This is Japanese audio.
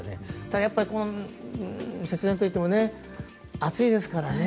やっぱり節電といっても暑いですからね。